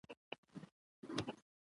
وادي د افغانستان د زرغونتیا نښه ده.